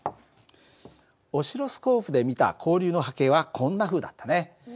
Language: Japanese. オシロスコープで見た交流の波形はこんなふうだったね。